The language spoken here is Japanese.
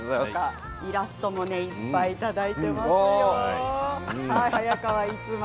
イラストもいっぱいいただいています。